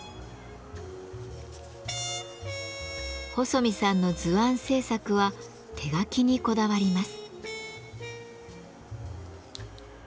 細見さんの図案制作は手描きにこだわります。